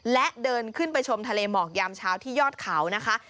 และเดินขึ้นไปชมทะเลหมอกยามเช้าที่ยอดเขานะคะ